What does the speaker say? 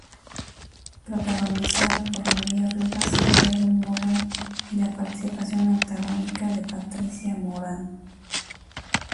Protagonizada por María Rivas, Guillermo Murray y la participación antagónica de Patricia Morán.